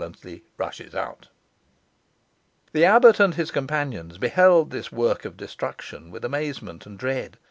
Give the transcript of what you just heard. The abbot and his companions beheld this work of destruction with amazement and dread.